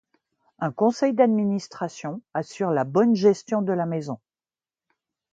Un conseil d'administration assure la bonne gestion de la Maison.